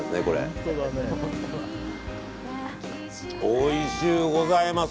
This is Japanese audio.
おいしゅうございます。